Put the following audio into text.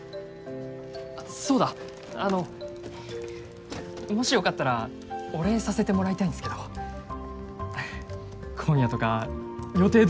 そうだあのもしよかったらお礼させてもらいたいんですけど今夜とか予定どうっすか？